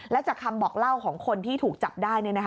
และจากคำบอกเล่าของคนที่ถูกจับได้